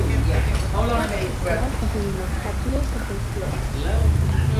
Texas and Oklahoma have dual supreme courts.